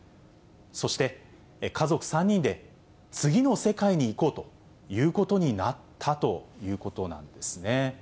そして家族３人で次の世界に行こうということになったということなんですね。